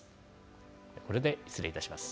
これで失礼いたします。